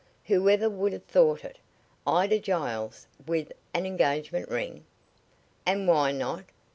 Whoever would have thought it? Ida Giles with an engagement ring!" "And why not?"